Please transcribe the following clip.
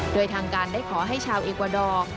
โดยทางการได้ขอให้ชาวเอกวาดอร์